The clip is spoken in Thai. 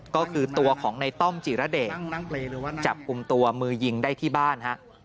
ก็คือตัวของในต้อมจิระเดชจับกลุ่มตัวมือยิงได้ที่บ้านฮะ